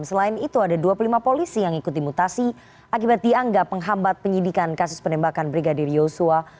selain itu ada dua puluh lima polisi yang ikuti mutasi akibat dianggap menghambat penyidikan kasus penembakan brigadir yosua